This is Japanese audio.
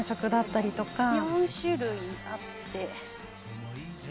４種類あって。